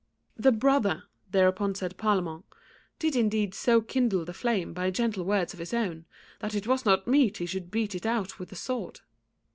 "The brother," thereupon said Parlamente, "did indeed so kindle the flame by gentle words of his own, that it was not meet he should beat it out with the sword."